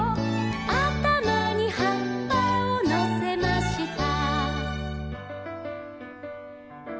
「あたまにはっぱをのせました」